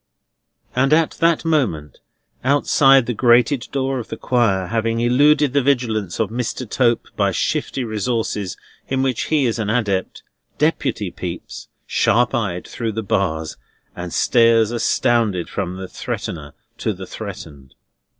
And at that moment, outside the grated door of the Choir, having eluded the vigilance of Mr. Tope by shifty resources in which he is an adept, Deputy peeps, sharp eyed, through the bars, and stares astounded from the threatener to the threatened.